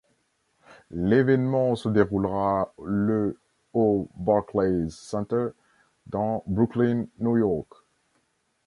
L'événement se déroulera le au Barclays Center dans Brooklyn, New York.